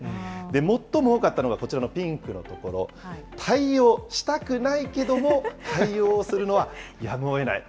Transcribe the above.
最も多かったのがこちらのピンクのところ、対応したくないけども、対応するのはやむをえない。